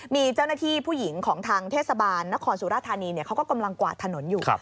มีเจ้าหน้าที่ผู้หญิงของทางเทศบาลนครสุราธานีเขาก็กำลังกวาดถนนอยู่